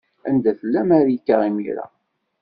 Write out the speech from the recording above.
Anda tella Marika, imir-a?